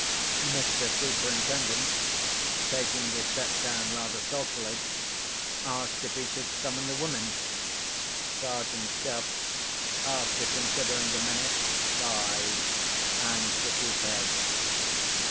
Mr. Superintendent—taking his set down rather sulkily—asked if he should summon the women. Sergeant Cuff, after considering a minute, sighed, and shook his head.